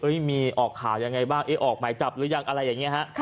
มีออกข่าวยังไงบ้างออกหมายจับหรือยังอะไรอย่างนี้ฮะ